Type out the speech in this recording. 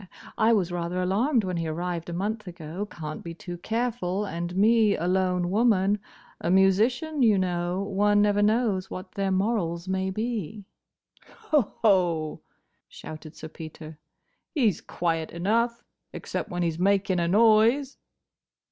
I was rather alarmed when he arrived a month ago. Can't be too careful, and me a lone woman. A musician, you know. One never knows what their morals may be." "Hoho!" shouted Sir Peter, "he's quiet enough—except when he 's making a noise!"